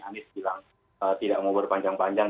anies bilang tidak mau berpanjang panjang